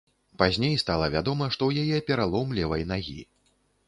Пазней стала вядома, што ў яе пералом левай нагі.